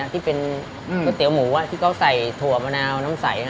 ที่เป็นก๋วยเตี๋ยวหมูที่เขาใส่ถั่วมะนาวน้ำใส